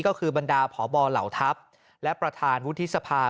ก็คือบรรดาพบเหล่าทัพและประธานวุฒิสภา